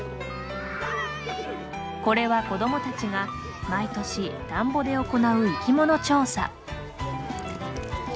これは子供たちが、毎年田んぼで行う、生き物調査。